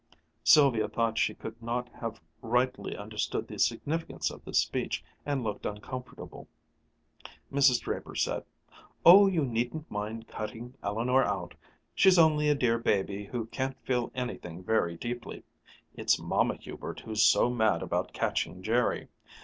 Sylvia thought she could not have rightly understood the significance of this speech, and looked uncomfortable. Mrs. Draper said: "Oh, you needn't mind cutting Eleanor out she's only a dear baby who can't feel anything very deeply. It's Mamma Hubert who's so mad about catching Jerry.